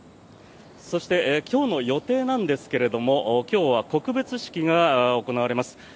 そして、今日の予定なんですが今日は告別式が行われます。